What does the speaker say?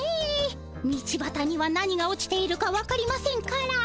道ばたには何が落ちているかわかりませんから。